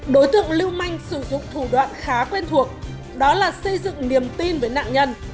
đối tượng lưu manh sử dụng thủ đoạn khá quen thuộc đó là xây dựng niềm tin với nạn nhân